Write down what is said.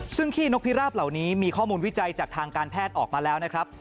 ซึ่งขี้นกพิราบเหล่านี้มีข้อมูลวิจัยจากทางการแพทย์ออกมาแล้วนะครับ